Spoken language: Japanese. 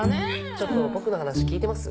ちょっと僕の話聞いてます？